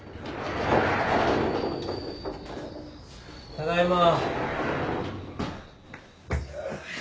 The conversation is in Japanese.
ただいま。